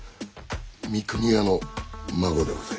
三国屋の孫でございます。